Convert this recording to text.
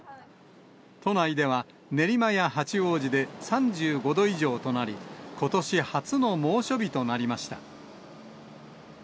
都内では練馬や八王子で３５度以上となり、ことし初の猛暑日となりました。